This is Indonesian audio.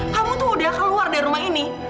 kamu tuh udah keluar dari rumah ini